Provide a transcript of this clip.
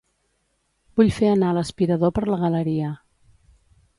Vull fer anar l'aspirador per la galeria.